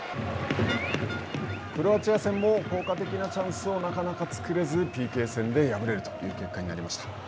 クロアチア戦も効果的なチャンスをなかなか作れずＰＫ戦で敗れるという結果になりました。